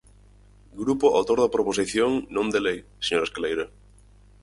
Grupo autor da proposición non de lei, señor Escaleira.